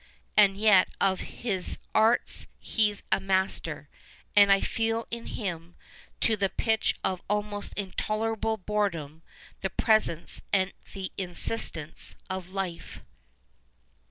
.. and yet of his art he's a master — and I feel in him, to the pitch of almost intolerable boredom, tlie j)resencc and the insistence of life."